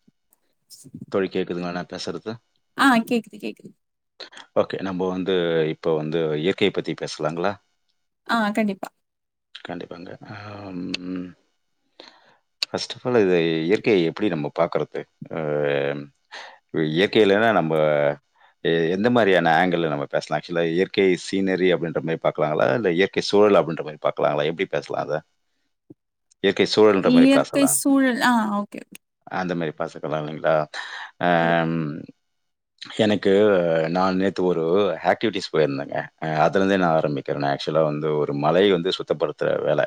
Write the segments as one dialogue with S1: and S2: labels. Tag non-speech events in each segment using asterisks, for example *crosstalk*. S1: *inaudible*
S2: தோழி கேக்குதுங்களா நா பேசுறது
S1: அ கேக்குது கேக்குது
S2: ஓகே நம்ம வந்து இப்போ வந்து இயற்கைய பத்தி பேசலாங்களா
S1: ஆ கண்டிப்பா
S2: கண்டிபாங்க ஆ ம் ஃபர்ஸ்ட் அஃப் ஆல் இது இயற்கய எப்டி நம்ம பாக்கற்து அ இயற்கை இல்லனா நம்ப எ எந்த மாரியான ஆங்கில்ல நம்ம பேசலா ஆக்சுலா இயற்கை சீனரி அப்டின்ற மாரி பாக்லாங்ளா இல்ல இயற் கை சூழல் அப்டின்ற மாரி பாக்லாங்ளா எப்டி பேசலா அத இயற்கை சூழல்ன்ற மாரி
S1: இயற்கை
S2: பேசலா
S1: சூழல் ஆ ஓகே ஓகே
S2: அந்த மாரி பசக்குடாதுங்கலா ஆ
S1: கண்டிப்பா
S2: ம் எனக்கு நா நேத்து ஒரு ஆக்டிவிட்டிஸ் போய்ருந்தேங்க அதுலந்தே நா ஆரம்பி க நா ஆச்சுவலா வந்து ஒரு மலய வந்து சுத்தப்படுத்த வேல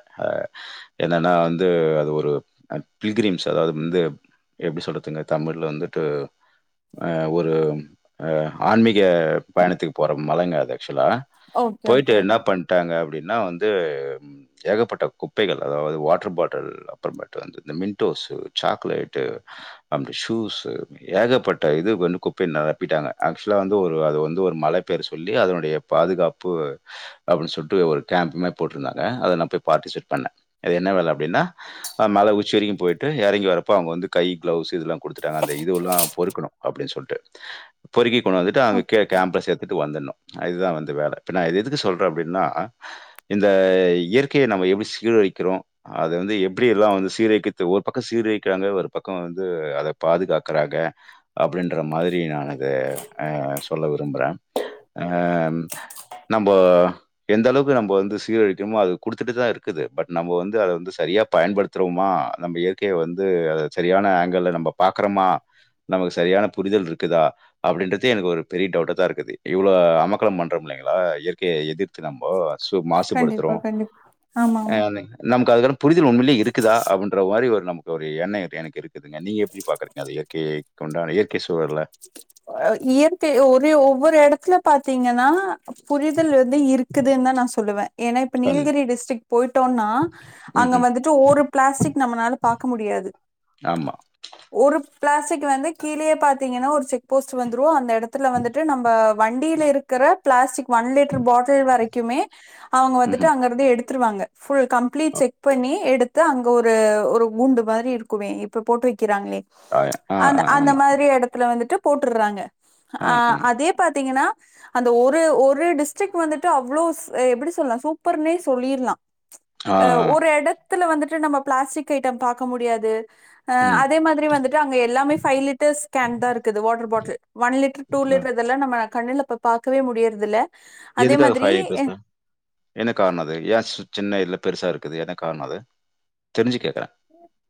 S2: என்னன்னா வந்து அது ஒரு பிலிகிரிம்ஸ் அதாவ்து வந்து எப்டி சொல்றதுங்க தமிழ்ல வந்துட்டு ஆ ஒரு ஆ ஆன்மீக பயணத்துக் போற மலங்க அது ஆசுலா
S1: ஓகே
S2: போய்ட்டு
S1: ஓகே
S2: எனா
S1: ஓகே
S2: பண்டாங்க அப்டின்னா வந்து அ ஏகபட்ட குப்பைகள் அதாவ்து வாட்ரு பாட்டில் அப்றமேட்டு வந்து இந்த மின்டோசு சாக்லேட்டு் அந்த ஷூஸ்சு ஏகபட்ட இது வ குப்ப நெரபிடாங்க ஆக்சுலா வந்து ஒரு அது வந்து ஒரு மலை பேர சொல்லி அதனுடைய பாதுகாப்பு அபுடினு சொல்ட்டு ஒரு டேம் மேப் போட்ருதாங்க அத நா போய் பாடிசிட்பேட் பண்ணே என்ன வேல அப்டின்னா ஆ மல உச்சி வரக்யு போய்ட்டு எறங்கி வரப்ப அவுங்க வந்து கை க்ளவுஸ் இதுலா குடுத்துடாங்க அந்த இது எல்லா பொறுக்குணு அப்டின் சொல்ட்டு பொறுக்கி கொண்டாதுட்டு அங்க
S1: ம்,
S2: கே கேம்பஸ் எதுட்டு வந்தர்ணு அதுதா வந்து வேல இப்ப நா எதுக்கு சொல்றே அப்டின்னா இந்த இயற்கைய நம்ம எப்டி சீரழிக்கிறோ அது வந்து எப்டி எல்லா வந்து சீரழிக்கிற்து ஒரு பக்கோ சீரழிக்கிறாங்க ஒரு பக்க வந்து அத பாதுகாக்கறாங்க அப்டின்ற மாதிரி நா அத ஆ சொல்ல விரும்புறே ஆ நம்போ எந்தளவுக்கு நம்போ வந்து சீரழிக்கற்மோ அது குடுத்துட்டு தா இருக்குது பட் நம்போ வந்து அத வந்து சரியா பயன்படுத் தறோமா நம்ப இயற்கைய வந்து அத சரியான ஆங்கிள்ல நம்ப பாக்றமா நமக்கு சரியான புரிதல்ருக்குதா அப்டின்றதே எனக்கு ஒரு பெரிய டவ்ட்டா தா இருக்குது இவ்ளோ அமக்கலம் பண்றம்ல்லைங்ளா இயற்கையை எதித்து நம்போ சூப் து படுத்துறோ
S1: கண்டிப்பா கண்டிப்பா ஆமா
S2: ஆ
S1: ஆமா
S2: நமுக்கு அதுக்கான புரிதல் உண்மைலே இருக்குதா அப்டின்ற மாரி ஒரு நம் ஒரு எண்ணோ எனக்கு இருக்குதுங்க நீங்க எப்டி பாக்கறீங்க அது இயற்கை கொண்டான இயற்கை சூழல
S1: அ இயற்கை ஒரு ஒவ்வொரு எடத்ல பாத்தீங்கனா புரிதல் வந்து இருக்குதுன் தா நா சொல்லுவே ஏனா இப்ப
S2: கண்
S1: நீலகிரி டிஸ்டரிக் போயிட்டோன்னா
S2: ம்.
S1: அங்க
S2: ம்ஹ்ம்.
S1: வந்துட்டு ஒரு பிளாஸ்டிக் நம்மனால பாக்க முடியாது
S2: ஆமா
S1: ஒரு பிளாஸ்டிக் வந்து கீழியே பாத்தீங்கனா ஒரு செக் போஸ்டு வந்துரு அந்த எடத்துல வந்துட்டு நம்ப வண்டில இருக்கற பிளாஸ்டிக் ஒன் லிட்ரு பாட்டில் வரைக் கியூமே அவ்ங்க வந்துட்டு
S2: ம்ஹ்ம்.
S1: அங்கற்து எடுத்ருவாங்க ஃபுல் கம்ப்ளீட் செக் பண்ணி எடுத்து அங்க ஒரு ஒரு குண்டு மாரி இருக்குவே இப்ப போட்டு வைக்றாங்ளே
S2: ஆ, ஆ,
S1: அந் அந்த
S2: ஆமா.
S1: மாரி எடத்துல வந்துட்டு போட்டுறுறாங்க
S2: அ,
S1: ஆ
S2: அ,
S1: அதே பாத்தீங்கன்னா அந்த ஒரு ஒரு டிஸ்ட்ரிக் வந்துட்டு அவ்ளோ எப்டி சொல்லலா சூப்பர்னே சொல்லிரலா
S2: ஆ,
S1: அ
S2: ஆ.
S1: ஒரு இடத்துல வந்துட்டு நம்ம பிளாஸ்டிக் ஐட்டம் பாக்க முடியாது ஆ
S2: ம்
S1: அதே மாதிரி வந்துட்டு அங்க எல்லாமே ஃபைவ் லிட்டர்ஸ் கேன் தா இருக்குது water bottle one litre two
S2: அ
S1: லிடர் இதெல்லா நம்ம கண்ணுல இப்ப பாக்கவே முடியறதுல்ல
S2: எதுக்காக பைவ் லிட்டர்ஸ் தா என்ன கார்ணோ அது ஏ சி சின்ன இல பெருசா இருக்குது எனக் கார்ணோ அது தெரிஞ்சு கேக்றே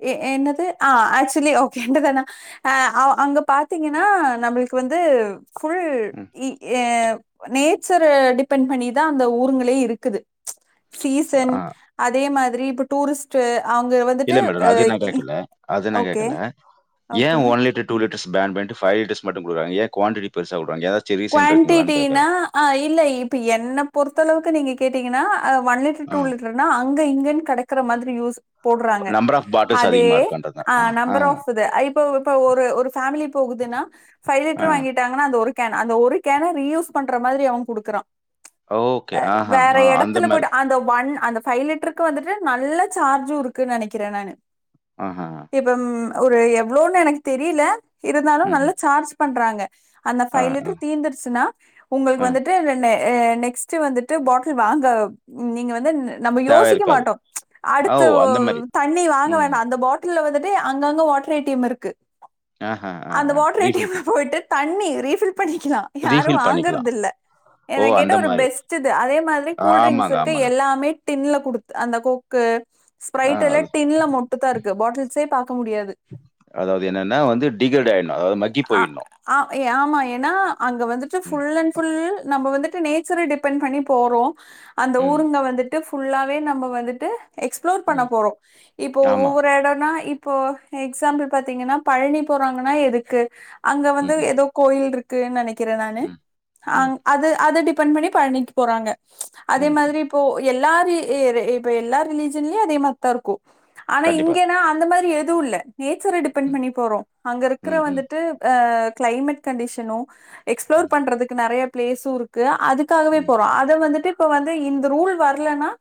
S1: ஏ என்னது ஆ ஆச்சுலி ஓகே எண்ட தானா அ அங்க பாத்தீங்கன்னா நம்மளுக்கு வந்து ஃபுல்
S2: ம்
S1: நேச்சரை டிபெண்ட் பண்ணிதா அந்த ஊருங்களே இருக்குது சீசன்
S2: ஆ
S1: அதே மாதிரி இப்ப டூரிஸ்ட் அவங்க வந்
S2: இல்ல மேடம் அது ந கேக்கல அது ந கேக்கல ஏன்
S1: okay
S2: one litre two litre ban பண்ணிட்டு ஃபைவ் லிட்டர்ஸ் மட்டு குடுக்றாங்க ஏ குவாண்டிட்டி பெருசாடுவங்க ஏதாச்
S1: குவாண்டிட்டினா அ இல்ல இப்ப என்ன பொறுத்த அளவுக்கு நீங்க கேட்டீங்கன்னா அ ஒன் லிட்டர்
S2: ஆ
S1: டூ லிட் *unintelligible* அங்க இங்கன்னு கெடைக்கற மாதிரி யூஸ் போடுறாங்க
S2: நம்பர் ஆஃப் பாட்டில்ஸ்
S1: அதே
S2: அதிகமா இருக்கான்றதா
S1: அ
S2: ஆ ஆ
S1: நம்பர் ஆஃ ப் இது இப்ப இப்ப ஒரு ஒரு ஃபேமிலி போகுதுன்னா ஃபைவ்
S2: ஆ
S1: லிட்டர் வாங்கிட்டாங்கன்னா அந்த ஒரு கேன் அந்த ஒரு கேன ரீயூஸ் பண்ற மாதிரி அவங்க குடுக்குறா
S2: ஓகே
S1: அ
S2: ஆஹா
S1: வேற
S2: ஆ அந்த
S1: இடத்துல
S2: மாரி
S1: போய்ட்டு அந்த ஒன் அந்த ஃபைவ் வந்துட்டு நல்ல சார்ஜம் இருக்குன்னு நெனைக்கிறே நானு
S2: அ
S1: இப்ப ம் ஒரு எவ்வளோன்னு எனக்கு தெரியல இருந்தாலு
S2: ம்
S1: நல்ல சார்ஜ் பண்றாங்க அந்த
S2: ஆ
S1: ஃபைவ்
S2: ஆ
S1: லிட்டர் தீந்துடுச்சுன்னா
S2: ஆ
S1: உங்களுக்கு வந்துட்டு நெக்ஸ்ட் வந்துட்டு பாட்டில் வாங்க நீங்க வந்து நம்ம
S2: தேவ
S1: யோசிக்க
S2: இருக்காது
S1: மாட்டோ
S2: ஓ
S1: அடுத்து
S2: அந்த மாரி
S1: தண்ணி வாங்க
S2: ம்
S1: வேண்டா அந்த பாட் கீழ வந்துட்டு அங்கங்க வாட்டர் டீம் இருக்கு
S2: ஆஹா ஆ
S1: அந்த
S2: ஆ
S1: வாட்டர்
S2: ரீஃபில்
S1: டீம்
S2: பண்
S1: போயிட்டு தண்ணி ரீஃபில் பண்ணிக்கலா யாரும்
S2: ரீஃபில் பண்ணிக்கலா
S1: வாங்கறது இல்ல
S2: ஓ
S1: என கேட்ட
S2: அந்த
S1: ஒரு
S2: மாரி
S1: பெஸ்ட் இது அதே மாதிரி கூல் ட்ரிங்க்ஸ்
S2: ஆமாங்க
S1: இருக்கு
S2: ஆமாங்க
S1: எல்லாமே டின்ல குடுத்து அந்த கொக்கு
S2: ஆ
S1: ஸ்பரைட் எல்லா
S2: அது
S1: டின்ல மொட்டு தான் இருக்கு பாட்டில்ஸே பாக்க முடியாது
S2: அதாவது என்னன்னா வந்து டிகர்ட் ஆயிடணு அதாவது மக்கி போயிடணு
S1: அ ஆமா ஏன்னா அங்க வந்துட்டு
S2: ம்,
S1: ஃபுல் அண்ட் ஃபுல் நம்ம வந்துட்டு நேச்சரை டிப் டிபன் பண்ணி போறோ அந்த
S2: ம்,
S1: ஊருங்க வந்துட்டு ஃபுல்லாவே நம்ம வந்துட்டு எக்ஸ்பிளோர் பண்ண
S2: ம்.
S1: போறோ இப்போ
S2: ஆமா.
S1: ஒவ்வொரு எடம்னா இப்போ எக்ஸாம்பிள் பாத்தீங்கன்னா பழனி போறாங்கன்னா எதுக்கு அங்க வந்து
S2: ம்ஹ்ம்.
S1: ஏதோ கோயில் இருக்கு இருக்குன்னு நெனைக்கிறே நானு
S2: ம், ம்,
S1: அது அத டிபெண்ட் பண்ணி பழனிக்கு போறாங்க
S2: ம்,
S1: அதே
S2: ம். ம்.
S1: மாதிரி இப்போ எல்லா இப்ப எல்லா ரிலீஜன்லயு அதே மாரிதான் இருக்கு ஆனா
S2: கண்டிப்பா.
S1: இங்கன்னா அந்த மாரி எதுவு இல்ல நேச்சர டிபெண்ட்
S2: ம்,
S1: பண்ணி போறோ அங்க இருக்கிற
S2: ம், ம்,
S1: வந்துட்டு அ கெளைமேட் கண்டிஷனு
S2: ம்,
S1: எக்ஸ்ப்ளோர் பண்றதுக்கு நெறைய பிளேஸு இருக்கு அதுக்கு அதுகாகவே
S2: ம்,
S1: போறோ அத வந்துட்டு இப்ப வந்து இந்த ரூல் வரலன்னா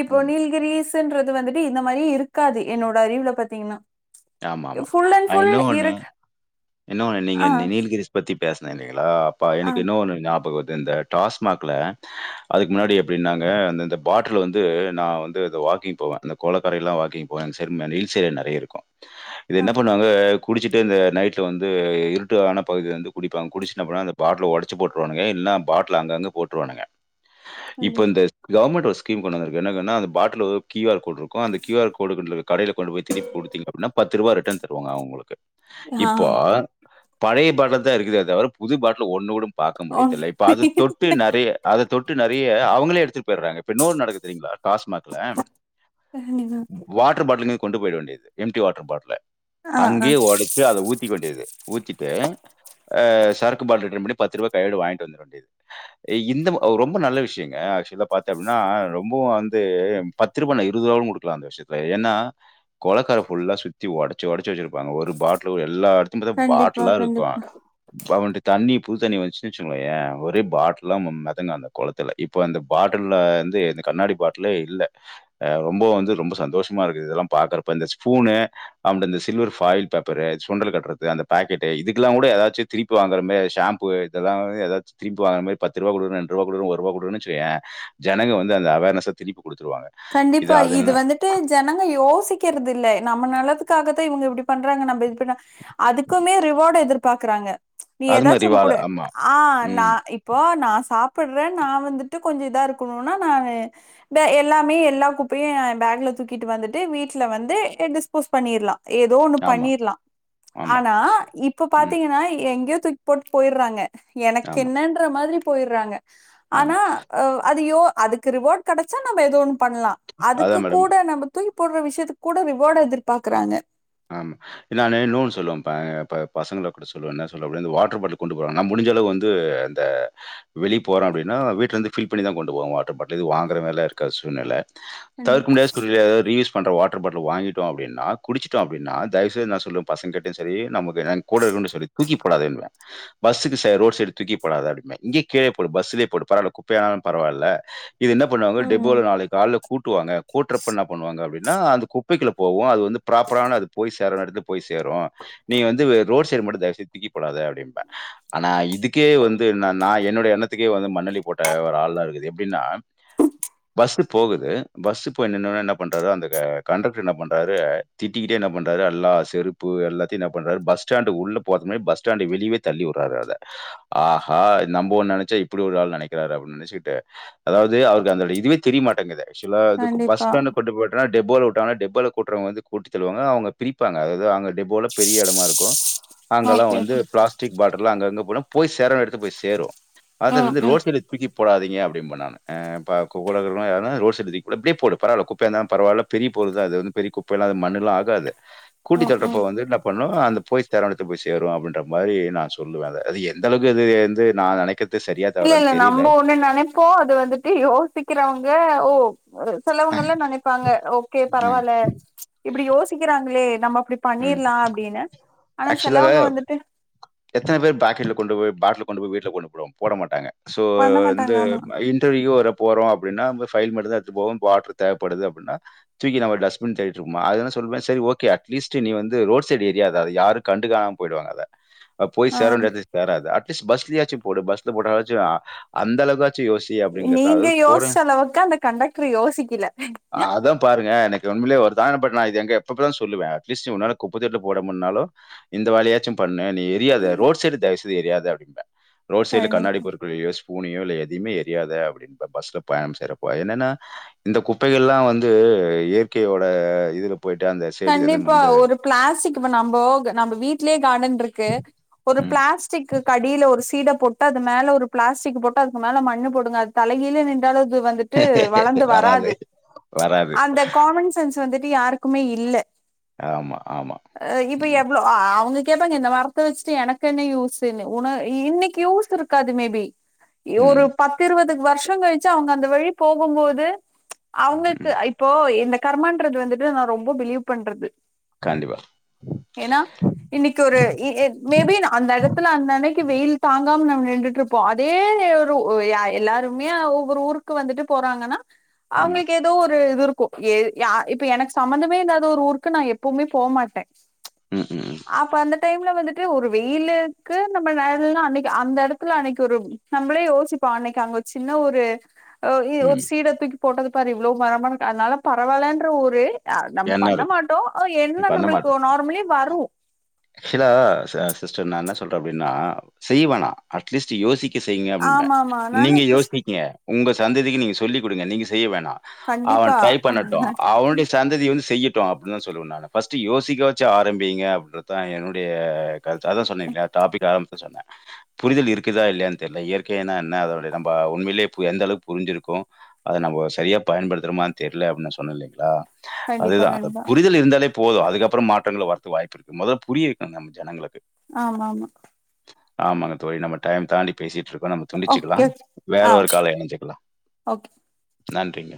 S1: இப்போ
S2: ம்.
S1: நீல்கிரிஸ் ன்றது வந்துட்டு இந்த மாரி இருக்காது என்னோட அறிவுல பாத்தீங்கன்னா
S2: ஆமா ஆமா
S1: ஃபுல் அண்ட் ஃபுல்
S2: இன்ன ஒண்ணு
S1: இருக்
S2: என்ன ஒண்ணு நீங்க
S1: ஆ
S2: நீல்கிரிஸ் பத்தி பேசினே இல்லைங்களா அப்பா
S1: ஆ
S2: எனக்கு இன்ன ஒன்னு ஞாபகம் வருது இந்த டாஸ்மாக்கில் அதுக்கு முன்னாடி எப்டின்னாங்க அந்த இந்த பாட்டில் வந்து நான் வந்து இந்த வாக்கிங் போவே அந்த கொளக்கரைையல்லா வாக்கிங் போவே ச நீல் சேர் நெறைய இருக்கு இது
S1: ஆ
S2: என்ன பண்ணுவாங்க குடிச்சிட்டு இந்த நைட்ல வந்து இருட்டு ஆன பகுதி வந்து குடிப்பாங்க குடிச்சின் அந்த பாட்டல ஒடச் போட்டுருவானுங்க இல்ல பாட்டில் அங்கங்க போட்டுருவானுங்க இப்ப
S1: சொல்லு.
S2: இந்த கவர்மெண்ட் ஒரு ஸ்கீம் கொண்டு வந்திருக்கு என்னன்னா அந்த பாட்டில் ஒரு கியூ ஆர் கோடு இருக்கு அந்த கியூஆர் கோடு கடையில கொண்டு போய் திருப்பி கொடுத்தீங்க பத்து ரூபா ரிட்டர்ன் தருவாங்க அவங்களுக்கு
S1: ஆ
S2: இப்ப பழைய பாட்டல தான் இருக்குதே தவிர புது பாட்டல ஒண்ணு கூட பாக்க
S1: ஒன்-
S2: முடியதுல்ல இப்ப அது தொட்டு நெறைய அத தொட்டு நெறைய அவங்களே எடுத்துட்டு போயிறாங்க இப்ப இன்னொன்னு நடக்குது தெரியுங்ளா டாஸ்மாக்ல வ வாட்டர் பாட்டில்க கொண்டு போயிட வேண்டியது எம் டி வாட்டர் பாட்ல
S1: ஆ ஆ
S2: அங்கயே ஓடச் அத ஊத்திக்க வேண்டிது ஊத்திட்டு அ சரக்கு பாட்டில ரிட்டன் பண்ணி பத்து ரூபா கையோட வாங்ட்டு வந்துர வேண்டியது இந்த ரொம்ப நல்ல விஷயங்க ஆக்சுவல பாத்த அப்டின்னா ரொம்பவு வந்து பத்து ரூபா நா இருபது ரூபா கொடுக்கலா அந்த விஷய ஏனா குளக்கர ஃபுல்லா சுத்தி உடச்சு உடச்சு வச்சிருப்பாங்க ஒரு பாட்டில் எல்லா அடுத்து த்தி பாத்தே
S1: கண்டிப்பா
S2: பாட்டல்லா இருக்கு
S1: கண்டிப்பா
S2: அவனுட்டு தண்ணி புது தண்ணி வந்துச்சுன்னு வச்சுகோயே ஒரே பாட்டல்லா மிதங்கு அந்த குளத் துல இப்ப அந்த பாட்டல்ல வந்து இந்த கண்ணாடி பாட்லே இல்ல அ ரொம்ப வந்து ரொம்ப சந்தோஷமா இருக்குது இதெல்லா பாக்குறப்ப இந்த ஸ்பூனு அப்டி இந்த சில்வர் ஃபாயில் பேப்பரு சுண்டல் கட்டுறது அந்த பக்கெட் இதுக்கெல்லா கூட ஏதாச்சு திருப்பி வாங்கற மாரி ஷாம்பூ இதெல்லா ஏதாது திருப்பி வாங்கற மாரி பத்து ரூவா குடு ரெண்டு ரூவா குடு ஒருவா கொடுன்னு வச்சுகேயே ஜனங்க வந்து அந்த அவேர்னஸ்ஸ திருப்பி கொடுத்துருவாங்க
S1: கண்டிப்பா இது வந்து ட்டு ஜனங்க யோசிக்கிறது இல்ல நம்ம நல்லதுக்காகத்தா இவங்க இப்டி பண்றாங்க நம்ம இதுப அதுக்குமே ரிவார்டு எதிர்பாக்கறாங்க நீ
S2: அது
S1: ஏதாச்சு
S2: மாரி
S1: ஒன்னு
S2: வாழ
S1: குடு
S2: ஆமா.
S1: ஆ நா
S2: ம்.
S1: இப்போ நா சாப்பிட்றே நா வந்துட்டு கொஞ்சோ இதா இருக்கணுனா நா எல்லாமே எல்லா குப்பையு எ பேக்ல தூக்கிட்டு வந்துட்டு வீட்ல வந்து டிஸ்போஸ் பண்ணிட்லா ஏதோ ஒன்னு
S2: ஆமா,
S1: பண்ணிரலா
S2: ஆமா.
S1: ஆனா இப்ப
S2: ம்.
S1: பாத்தீங்கன்னா எங்கயோ தூக்கி போட்டு போய்றாங்க எனக்கு
S2: ஆமா,
S1: என்னன்ற மாரி போய்டுறாங்க
S2: ஆமா.
S1: ஆனா அ அது யோ அதுக்கு ரிவார்ட் கிடச்சா நம்ம ஏத ஒண்ணு பண்ணலா அதுக்கு
S2: அதான் மேடம்.
S1: கூட நம்ம தூக்கி போடுற விஷயத்துக்கு கூட ரிவார்ட் எதிர்பாக்குறாங்க
S2: ஆமா நானு னோ ன்னு சொல்லுவப்பா பசங்கல கூட சொல்லுவே என்ன சொல்லுரே அப்டினா இந்த வாட்டர் பாட்டில கொண்டு போவாங்க நா முடிஞ்சளவு வந்து இந்த வெளியே போறோ அப்டினா வீட்ல இருந்து ஃபில் பண்ணி தா கொண்டு போவோ வாட்டர் பாட்ல இது வாங்கற வேல இருக்க சூழ்நில தவிர்க்க முடியாத சூழ்நிலையில ரீயூஷ் பண்ற வாட்டர் பாட்டில் வாங்கிட்டோ அப்டின்னா குடிச்சிட் டோ அப்டின்னா தயவு செய்து நா சொல்லுவே பசங்க கிட்டையு சேரி நமக்கு கூட இருகவுன்னு டையு சேரி தூக்கி போடாதை ன்றுவே பஸ்ஸுக்கு ரோட் சைடு தூக்கி போடாத அப்டின்பே இங்கே கிழே போடு பஸ்லேயே போடு பரவால குப்பையானாலு பரவல்ல இது என்ன பண்ணுவாங்க
S1: ம்
S2: டெபோல நாளைக்கு காலைல கூட்டுவாங்க கூட்றப்ப என்ன பண்ணுவாங்க அப்டின்னா அந்த குப்பைகுள்ளே போவு அது வந்து ப்ராப்பரான அது போய் சேர இடத்துக்கு போய் சேரு நீ வந்து ரோட் சைடு மட்டு தயவு செய்து தூக்கி போடாத அப்டின்பே ஆனா இதுக்கே வந்து நா என்னோட எண்ணத்துக்கே வந்து மண்ணலி போட்ட ஒரு ஆள்தா இருக்குது எப்டின்னா பஸ்ஸு போகுது பஸ்ஸு போய் நின்னவுனே என்ன பண்றாரு அந்த கண்டக்டர் என்ன பண்றாரு திட்டிக்கிட்டே என்ன பண்றாரு எல்லா செருப்பு எல்லாத்த என்ன பண்றரு பஸ்டாண்ட உள்ள போற மாரி பஸ்டாண்டு வெளியவே தள்ளி விட்றாரு அத ஆஹா நம்ம ஒன்னு நினைச்சோ இப்டி ஒரு ஆள் நினைக்றாரு அப்டின்னு நினைச்சுக்கிட்டு அதாது அவருக்கு அந்த இதுவே தெரியமாட்டேங்குதே ஆக்சுவலா இதுக்கு
S1: கண்டிப்பா
S2: பஸ்டண்ட் கொண்டு போட்டனா டெபோல விட்டாங்கன்னா டெபோல கூட்டுறவ வந்து கூட்டி தள்ளுவாங்க அவங்க பிரிப்பாங்க அதாவது அங்க டெபோல பெரிய இடமா இருக்கு அங்கெல்லா
S1: ஓகே
S2: வந்து
S1: ஓகே
S2: பிளாஸ் டிக் பாட்டல்லா அங்கங்க போன போய் சேரவேண்ட எடுத்து போய் சேரு அத
S1: ம்
S2: வந்து
S1: ம்
S2: ரோட் சைடு தூக்கி போடாதீங்க அப்டிம்பே நானு ஆ *unintelligible* ரோடு சைடு தூக்கி கூட அப்டியே போடு பரவால குப்பையா இருந்தாலு பரவால்ல பெரிய பொருள்தா அது வந்து பெரிய குப்பைல்லா மண்ணல்லா ஆகாது கூட்டி
S1: ம்
S2: தல்றப்ப
S1: ம்
S2: வந்து பண்ணு அந்த போய் சேரவேண்டிய எடத்துகு போய் சேரு அப்டின்ற மாரி நா சொல்லுவே அத எந்தளக்கு இது வந்து நா நினைக் கிறது சரியா
S1: இல்ல
S2: தவறான்னு
S1: இல்ல
S2: தெரியல.
S1: நம்ப ஒன்னு நினைப்போ அது வந்துட்டு யோசிக்கிறவங்க ஓரு
S2: அ,
S1: சிலவங்கல்ள என்ன நினைப்பாங்க ஓகே
S2: அ.
S1: பரவால்ல இப்டி யோசிக்றாங்ளே நம்ம அப்டி
S2: ம்.
S1: பண்ணிர்லா அப்டின்னு ஆனா
S2: ஆக்சுவலா
S1: சிலவங்க வந்துட்டு
S2: எத்தன பேர் பாக்கெட்ல கொண்டு போய் பாட்ல் கொண்டு போய் வீட்டுல கொண்டு போட்டு போட மாட்டாங்க சோ
S1: பண்ண
S2: வந்து
S1: மாட்டாங்க ஆமா
S2: இன்டர்வியூ ஒரு போறோ அப்டின்னா ஃபைல் மட்டுந்தா எத்து போவோ பாட்ரு தேவப்படுது அப்டின்னா தூக்கி நம்ம டஸ்பின் தேடிட்டு இருப்பமா அத சொன் சரி ஓகே அட்லீஸ்ட் நீ வந்து ரோட் சைட் எரியாத அத யார்க்கு கண்டு காணாம போயிடுவாங்க அத அ போய்
S1: ஆ
S2: சேரவேண்டிய எடத்துல சேராது அட்லீஸ்ட் பஸ்லயாச்சும் போடு பஸ்ல போட்டாச்சு அந்தளவுாச்சு யோஸ் சி அப்டிங்கறத
S1: நீங்க
S2: அதாவ்து கோறே
S1: யோசிச்ச அளவுக்கு அந்த கண்டக்டர் யோசிக்கல
S2: அதான் பாருங்க எனக் இது உண்மலயே வருத்தோ ஆனா பட் நா இது எங்க எப்பபதா சொல்லுவே அட்லீஸ் உன்னால குப்பத்தொட்டில போட முன்னாலு இந்த வேலயாச்சும் பண்ணு நீ எரியாத
S1: ம்.
S2: ரோட் சைடு தயவுசெய்து எரியாத அப்டிம்ப ரோட் சைடுல
S1: கண்டிப்பா.
S2: கண்ணாடி பொரு குள்ளையோ ஸ்பூனயோ இல்ல எதயுமே எரியாத அப்டிம்ப பஸ்ல பயணம் செய்றப்போ என்னன்னா இந்த குப்பைகள்லா வந்து இயற்கையோட இதுல போய்ட்டு அந்த சைடு எதுவும்
S1: கண்டிப்பா
S2: இந்த
S1: ஒரு பிளாஸ்டிக் நம்போ நம்ப வீட் லேயே காடன்ருக்கு ஒரு
S2: ம்.
S1: பிளாஸ்டிக்கு அடியில ஒரு சீட போட் டு அது மேல ஒரு பிளாஸ்டிக் போட்டு அதுக்கு மேல மண்ணு போடுங்க அது தலைகில நின்றாலும் அது வந்துட்டு ட்டு வளந்து வராது
S2: வராது.
S1: அந்த காமன் சென்ஸ் ஸு வந்துட்டு யாருக்குமே இல்ல
S2: ஆமா, ஆமா.
S1: அ இப்ப
S2: ம்.
S1: எவ்ளோ அவுங்க கேப்பாங்க இந்த மரத்த வச்சுட்டு எனக்கு என்ன யூஸ்ஸுனு உன இன்னைக்கி யூஸ் இருக்காது மேபி
S2: *inaudible*
S1: யோ ஒரு பத்து இருவது வருஷொங கழிச்சு அவுங்க அந்த வழி போகும்போது அவுங்கள்க்கு
S2: ம்.
S1: இப்போ இந்த கர்மான்றது வந்துட்டு நா ரொம்ப பிலிவ் பண்றது
S2: கண்டிப்பா
S1: ஏனா இன்னைக்கு ஒரு மேபி அந்த எடத்துல அந்த அன்னைக்கி வெயில் தாங்காம நம்ம நிண்டுட் இருப் ப்போ அதே அ எ எல்லாருமே ஒவ்வொரு ஊருக்கு வந்துட்டு போறாங்கன்னா
S2: ஆமா.
S1: அவுங்களுக்கு ஏதோ ஒரு இது இருக்கூ எ யா இப்ப எனக்கு சம்மந்தம் மே இல்லாத ஒரு ஊருக்கு நா எப்பவுமே போ மாட்டே
S2: ம் ம் ம்
S1: அப்ப அந்த டைம்ல வந்துட்டு ஒரு வெயிலுக்கு நம்ம நாம் அன்னைக்கு அந்த எடத்துல அன்னைக்கு ஒரு நம்மளே யோசிப்போ அன்னைக்கா அங்க ஒரு சின்ன ஒரு ஒரு
S2: ம்.
S1: சீட தூக்கி போட்டது பாரு இவ்ளோ மரமா அதனால பரவால்லன்ற ஒரு நம்ம
S2: எண்ணம்
S1: பண்ண
S2: இருக்கு.
S1: மாட்டோ எண்ணொ நம்மளுக்கு நார்மலி வரு
S2: சிலா சிஸ்டர் நா என்ன சொல்ற அப்டின்னா செய்வனா அட்லீஸ்ட் யோசிக்க செய்ங்க அப்டின்ம்ப
S1: ஆமா ஆமா நானு
S2: நீங்க
S1: கிறிஸ்
S2: யோஸிங்க உங்க சந்ததிக்கி நீங்க சொல்லி குடுங்க நீங்க செய்ய வேணா அவன்
S1: கண்டிப்பா
S2: ட்ரை பண்ணட்டு அவனுடைய சந்ததி வந்து செய்யட்டு அப்டினா சொல்லுவ நானு ஃபஸ்டு யோஸிக்க வாச்சு ஆரம்பிங்க அப்டின்றதா என்னுடைய கருத்து அதா சொன்னேல்லயா டாஃபிக் ஆரம்பத்துல சொன்ன புரிதல் இருக்குதா இல்லையான் தெர்ல இற்கையனா என்ன அதோட நம்ப உண்மையிலே எந்தளவு புரிஞ்சிருக்கோ அத நம்போ சரியா பயன்படுத்துறோமா தெர்ல அப்டின் நா சொன்ன இல்லைங்களா
S1: கண்டிப்பா
S2: அதுதா
S1: கண்டிப்பா
S2: புரிதல் இருந்தாலே போது அதுக்கப்பறம் மாற்றங்கள வரத்து வாய்ப்பு இருக்கு மொதல்ல புரிய வைக்கனுங்க நம்ம ஜனங்களுக்கு
S1: ஆமா ஆமா
S2: ஆமாங்க தோழி நம்ம டைம் தாண்டி பேசிட்ருக்கோ நம்ம துண்டிச்சுக்கலா
S1: ஓகே
S2: வேற
S1: ஆ
S2: ஒரு கால்ல எணஞ்சுக்கலா
S1: ஓகே
S2: நன்றிங்க